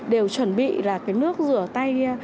đều chuẩn bị là cái nước rửa tay